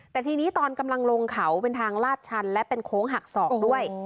แต่ทีนี้ตอนกำลังลงเขาเป็นทางลาดชันและเป็นโค้งหักศอกด้วย